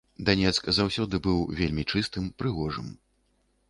Данецк заўсёды быў вельмі чыстым, прыгожым.